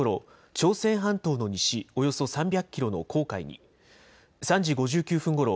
朝鮮半島の西およそ３００キロの黄海に３時５９分ごろ